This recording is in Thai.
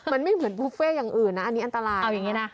มันไม่เหมือนบุฟเฟ่อย่างอื่นนะอันนี้อันตรายเอาอย่างนี้นะ